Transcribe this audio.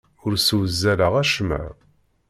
Ur ssewzaleɣ acemma.